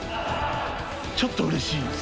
ちょっとうれしい。